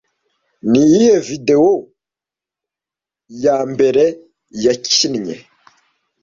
Niyihe videwo yambere yakinnye